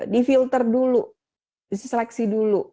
di filter dulu seleksi dulu